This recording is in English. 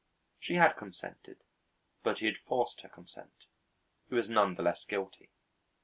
She had consented, but he had forced her consent; he was none the less guilty.